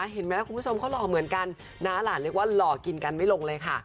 เห็นไหมคุณผู้ชมเขาหล่อเหมือนกันน้าหลานเรียกว่าหล่อกินกันไม่ลงเลยค่ะ